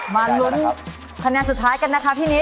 มาลุ้นคะแนนสุดท้ายกันนะคะพี่นิด